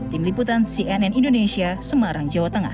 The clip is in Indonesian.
tim liputan cnn indonesia semarang jawa tengah